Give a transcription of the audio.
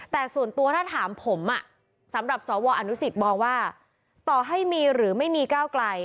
แต่ส่วนตัวถ้าถามผมสำหรับสวอนุสิตมองว่าต่อให้มีหรือไม่มีก้าวไกล